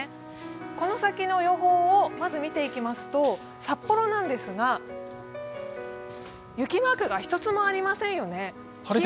この先の予報をまず見ていきますと札幌なんですが雪マークが１つもありませんよね。